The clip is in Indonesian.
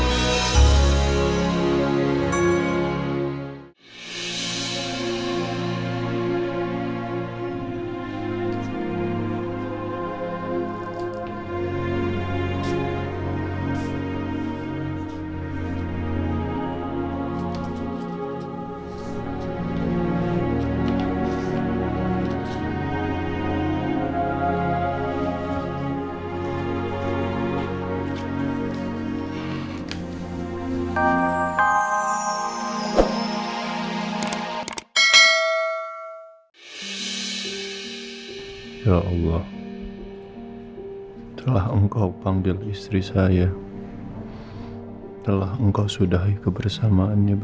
sampai jumpa di video selanjutnya